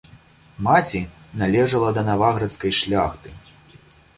Маці належала да наваградскай шляхты.